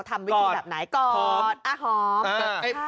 ทำวิธีแบบไหนกอดฮอมกอดฮอม